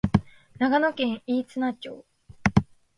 長野県飯綱町